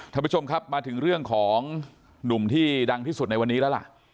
ท่านผู้ชมครับมาถึงเรื่องของหนุ่มที่ดังที่สุดในวันนี้แล้วล่ะ